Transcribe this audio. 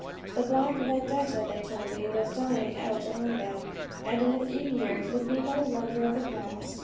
The black Vendetta, they told me, was dying out among them, and in a few years would be but a wonder of the past.